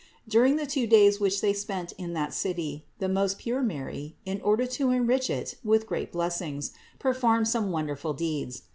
During the two days which they spent in that city the most pure Mary, in order to enrich it with great blessings, performed some wonderful deeds.